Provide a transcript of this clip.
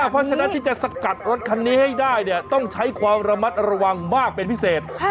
ประวังมากเป็นพิเศษ